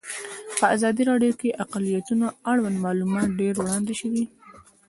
په ازادي راډیو کې د اقلیتونه اړوند معلومات ډېر وړاندې شوي.